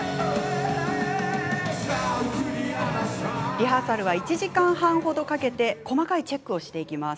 リハーサルは１時間半程かけ細かいチェックをしていきます。